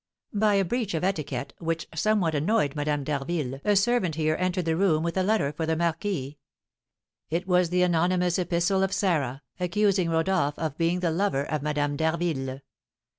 By a breach of etiquette, which somewhat annoyed Madame d'Harville, a servant here entered the room with a letter for the marquis. It was the anonymous epistle of Sarah, accusing Rodolph of being the lover of Madame d'Harville.